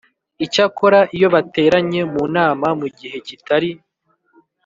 Icyakora iyo bateranye mu nama mu gihe kitari